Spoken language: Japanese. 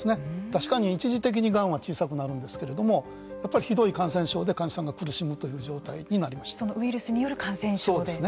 確かに一時的にがんは小さくなるんですけれどもやっぱりひどい感染症で患者さんが苦しむということにウイルスによる感染症で？